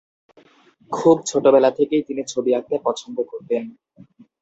খুব ছোটবেলা থেকেই তিনি ছবি আঁকতে পছন্দ করতেন।